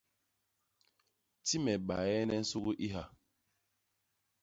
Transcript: Ti me baaene nsugi i ha.